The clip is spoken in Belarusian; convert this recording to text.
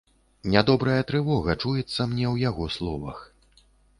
Нядобрая трывога чуецца мне ў яго словах.